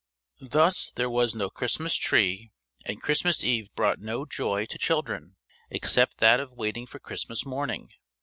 Thus there was no Christmas Tree; and Christmas Eve brought no joy to children except that of waiting for Christmas morning.